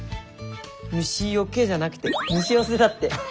「虫よけ」じゃなくて「虫よせ」だって。